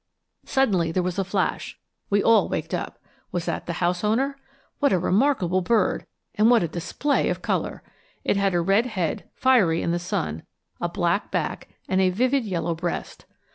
Suddenly there was a flash we all waked up was that the house owner? What a remarkable bird! and what a display of color! it had a red head, fiery in the sun; a black back, and a vivid yellow breast.